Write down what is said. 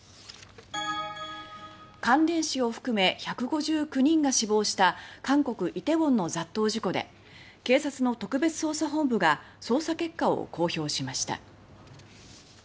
関連死を含め１５９人が死亡した韓国・梨泰院の雑踏事故で警察の特別捜査本部が捜査結果を公表しました。